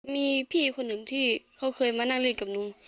มีพี่คนหนึ่งที่เขาเคยมานั่งเล่นกับหนู